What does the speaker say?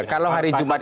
kalau hari jumat itu